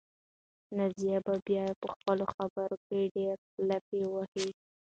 نازیه به بیا په خپلو خبرو کې ډېرې لافې وهي.